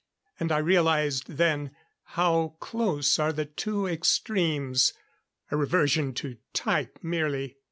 And I realized then how close are the two extremes. A reversion to type, merely.